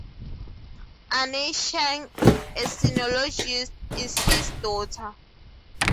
Anne Cheng, a sinologist, is his daughter.